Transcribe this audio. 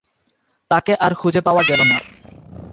তাঁকে আর খুঁজে পাওয়া গেল না।